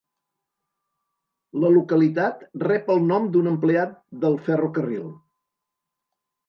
La localitat rep el nom d'un empleat del ferrocarril.